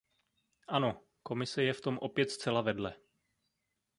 Ano, Komise je v tom opět zcela vedle.